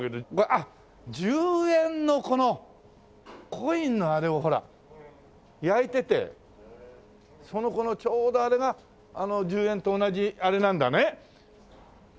あっ１０円のこのコインのあれをほら焼いててちょうどあれがあの１０円と同じあれなんだね。